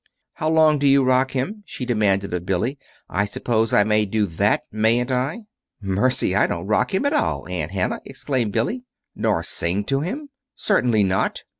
"How long do you rock him?" she demanded of Billy. "I suppose I may do that, mayn't I?" "Mercy, I don't rock him at all, Aunt Hannah," exclaimed Billy. "Nor sing to him?" "Certainly not."